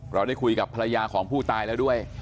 เราได้คุยกับภรรยาของผู้ตายแล้วด้วย